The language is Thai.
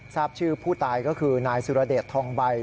ทราบชื่อผู้ตายก็คือนายสุรเดชทองใบ